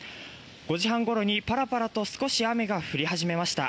５時半ごろにパラパラと少し雨が降り始めました。